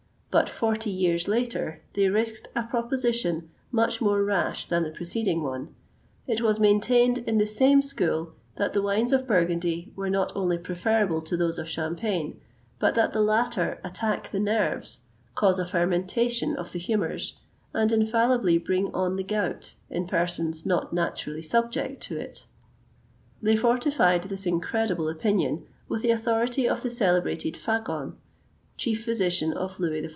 But forty years later they risked a proposition much more rash than the preceding one: it was maintained, in the same school, that the wines of Burgundy were not only preferable to those of Champagne, but that the latter attack the nerves, cause a fermentation of the humours, and infallibly bring on the gout in persons not naturally subject to it. They fortified this incredible opinion with the authority of the celebrated Fagon, chief physician of Louis XIV.